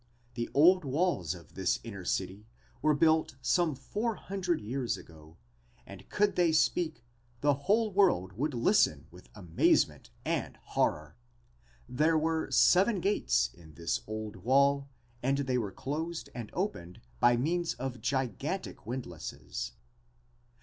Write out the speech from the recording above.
The old walls of this inner city were built some four hundred years ago and could they speak, the whole world would listen with amazement and horror. There were seven gates in this old wall and they were closed and opened by means of gigantic windlasses.